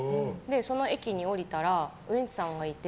その駅に降りたらウエンツさんがいて。